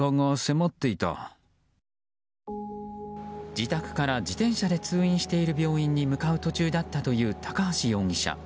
自宅から自転車で通院している病院に向かう途中だったという高橋容疑者。